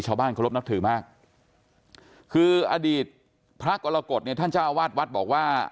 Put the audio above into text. ชาวบ้านเคารพนับถือมากคืออดีตพระกรกฎเนี่ยท่านเจ้าวาดวัดบอกว่า